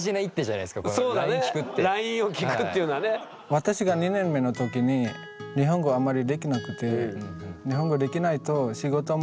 私が２年目の時に日本語あまりできなくて。